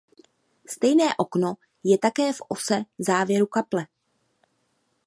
Stejné okno je také v ose závěru kaple.